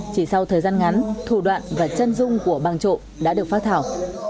chỉ sau thời gian ngắn thủ đoạn và chân dung của bàng trộm đã được phát thảo